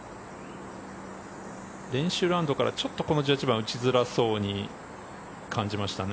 練習ラウンドからちょっとこの１１番打ちづらそうに感じましたね。